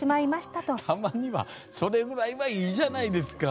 たまにはそれぐらいはいいじゃないですか。